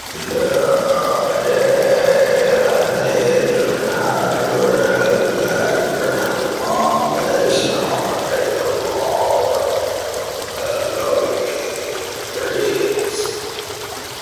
Today, the Nation and World sections publish stories and photos from the Associated Press.